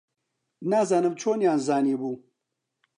نازانم چۆنیان زانیبوو.